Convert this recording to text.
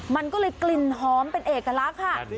มันก็เลยกลิ่นหอมเป็นเอกลักษณ์ค่ะ